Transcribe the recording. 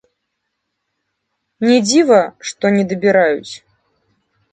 Не дзіва, што недабіраюць.